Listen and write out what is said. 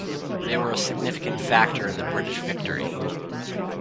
They were a significant factor in the British victory.